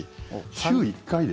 週１回で？